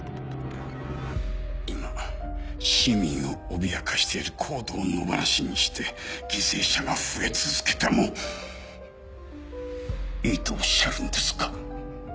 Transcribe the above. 今市民を脅かしているＣＯＤＥを野放しにして犠牲者が増え続けてもいいとおっしゃるんですか？